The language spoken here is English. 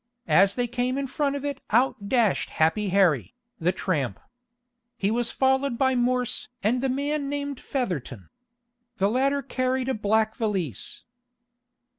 As they came in front of it out dashed Happy Harry, the tramp. He was followed by Morse and the man named Featherton. The latter carried a black valise.